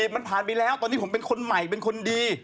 มันผ่านไปแล้วตอนนี้ผมเป็นคนใหม่เป็นคนดี